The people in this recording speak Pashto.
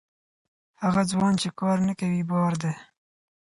هغه ځوان چې کار نه کوي، بار دی.